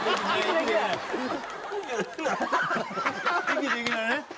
息できないね